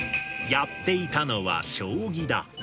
やっていたのは将棋だ。